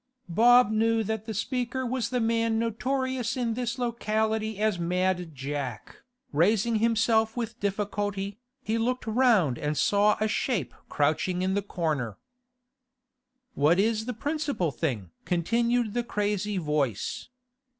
Bob knew that the speaker was the man notorious in this locality as Mad Jack. Raising himself with difficulty, he looked round and saw a shape crouching in the corner. 'What is the principal thing?' continued the crazy voice.